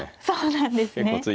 そうなんですね。